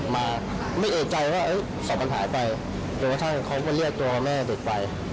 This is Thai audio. มาไม่เอเจริญว่าสศพหายไปโดยมาทั้งแน็ตเขาก็เรียกตัวแม่เด็กไป